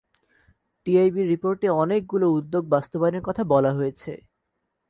টিআইবির রিপোর্টে অনেকগুলো উদ্যোগ বাস্তবায়নের কথা বলা হয়েছে।